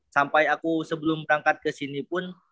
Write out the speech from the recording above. sampai aku sebelum berangkat kesini pun